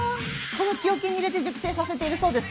この木おけに入れて熟成させているそうです。